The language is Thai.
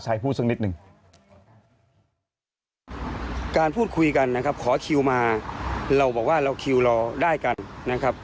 พูดคุยกันนะครับขอคิวมาเราบอกว่าเราคิวเราได้กันนะครับ